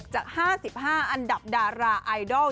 จาก๕๕อันดับดาราไอดอล